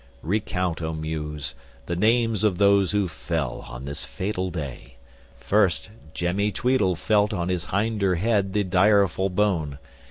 Recount, O Muse, the names of those who fell on this fatal day. First, Jemmy Tweedle felt on his hinder head the direful bone.